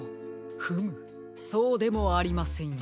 フムそうでもありませんよ。